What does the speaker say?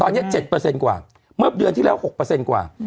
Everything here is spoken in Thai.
ตอนนี้๗กว่าเมื่อเดือนที่แล้ว๖กว่า